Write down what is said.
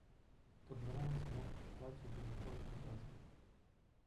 Каб на раніцу мог прачытаць увесь горад адразу.